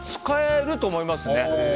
使えると思いますね。